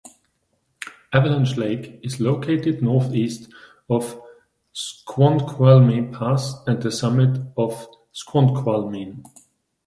Avalanche Lake is located northeast of Snoqualmie Pass and The Summit at Snoqualmie.